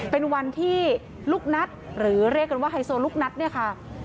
เป็นวันที่ลูกนัทหรือเรียกกันว่าไฮโซลูกนัดเนี่ยค่ะ